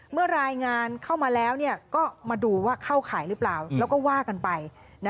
เมื่อรายงานเข้ามาแล้วก็มาดูว่าเข้าข่ายหรือเปล่าแล้วก็ว่ากันไป